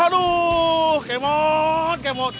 aduh kemauan kemauan